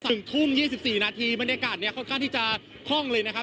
ถึงทุ่ม๒๔นาทีบรรยากาศเนี่ยค่อนข้างที่จะคล่องเลยนะครับ